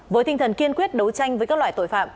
với tinh thần kiên quyết đấu tranh với các loại tội phạm